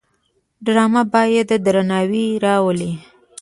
ډرامه باید درناوی راولي